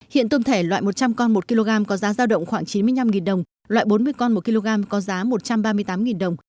hiện tôm thể loại một trăm linh con một kg có giá giao động khoảng chín mươi năm đồng loại bốn mươi con một kg có giá một trăm ba mươi tám đồng